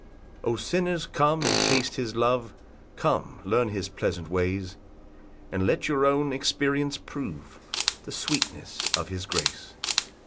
5 [O sinners, come and taste his love, Come, learn his pleasant ways, And let your own experience prove The sweetness of his grace.